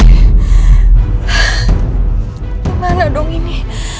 kemana dong ini